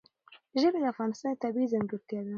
ژبې د افغانستان یوه طبیعي ځانګړتیا ده.